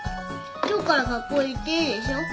今日から学校行っていいでしょ？